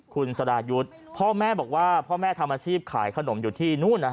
คุณสดายุทธ์พ่อแม่บอกว่าพ่อแม่ทำอาชีพขายขนมอยู่ที่นู่น